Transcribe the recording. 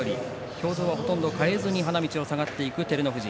表情は、ほとんど変えずに花道を下がっていく照ノ富士。